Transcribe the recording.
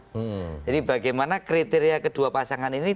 jadi bagaimana kriteria kedua pasangan ini